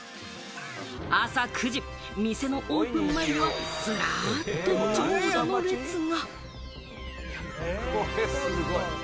朝９時、店のオープン前には、ずらっと長蛇の列が。